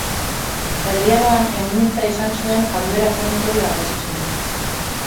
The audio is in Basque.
Erdi Aroan ehungintza izan zuen jarduera ekonomikorik garrantzitsuena.